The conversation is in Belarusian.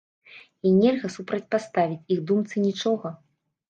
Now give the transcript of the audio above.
І нельга супрацьпаставіць іх думцы нічога!